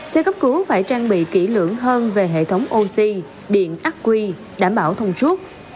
xe cấp cứu phải trang bị kỹ lưỡng hơn về hệ thống oxy điện ác quy đảm bảo thông suốt